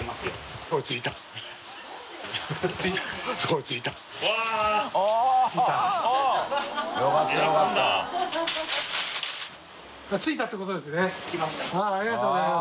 業者さんありがとうございます。